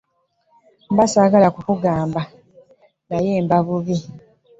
Mba ssaagala kukugamba naye mba bubi.